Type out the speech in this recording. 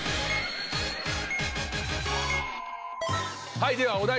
はいではお題